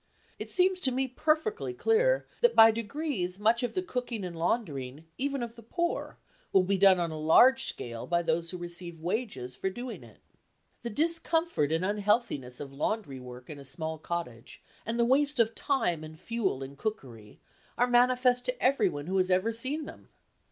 It seems to me perfectly clear that by degrees much of the cooking and laundering, even of the poor, will be done on a large scale by those who receive wages for doing it. The discomfort and unhealthiness of laundry work in a small cottage, and the waste of time and fuel in cookery, are manifest to everyone who has ever seen them.